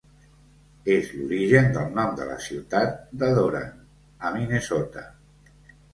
És l'origen del nom de la ciutat de Doran, a Minnesota.